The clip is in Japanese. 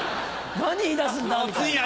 何言い出すんだ？みたいな。